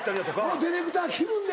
もうディレクター気分で。